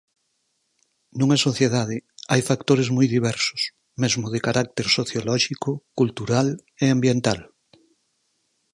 Nunha sociedade hai factores moi diversos, mesmo de carácter sociolóxico, cultural e ambiental.